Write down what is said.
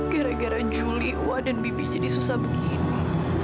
gara gara juli wak dan bibi jadi susah begini